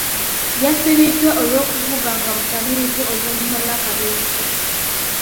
Yasibiddwa olw'okuvuga nga mutamiivu oluvannyuma lw'akabenje.